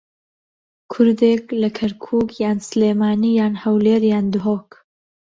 کوردێک لە کەرکووک یان سلێمانی یان هەولێر یان دهۆک